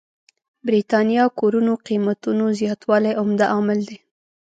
برېتانيا کورونو قېمتونو زياتوالی عمده عامل دی.